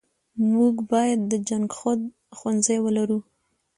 موږ بايد د جنګښود ښوونځی ولرو .